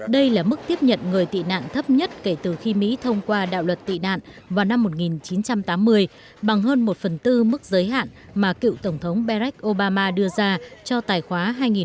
đây là mức tiếp nhận người tị nạn thấp nhất kể từ khi mỹ thông qua đạo luật tị nạn vào năm một nghìn chín trăm tám mươi bằng hơn một phần tư mức giới hạn mà cựu tổng thống berrak obama đưa ra cho tài khoá hai nghìn một mươi